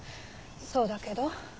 そうだけど。